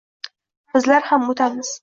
Bizlar ham o’tamiz